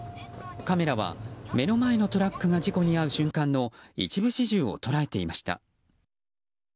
カメラは目の前のトラックが事故に遭う瞬間の一部始終を捉えていました。